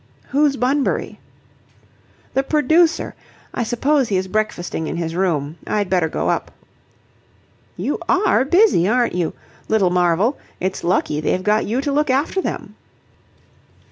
"Who's Bunbury?" "The producer. I suppose he is breakfasting in his room. I'd better go up." "You are busy, aren't you. Little marvel! It's lucky they've got you to look after them."